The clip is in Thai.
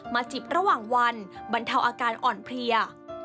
จิบระหว่างวันบรรเทาอาการอ่อนเพลีย